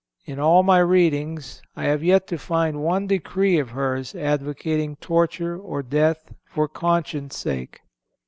In all my readings I have yet to find one decree of hers advocating torture or death for conscience' sake.